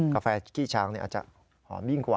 กาแฟขี้ช้างอาจจะหอมยิ่งกว่า